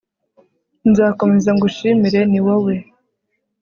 nzakomeza ngushimire, ni wowe